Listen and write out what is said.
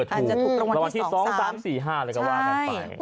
อาจจะถูกรางวัลที่๒๓๔๕เลยก็ว่ากันไป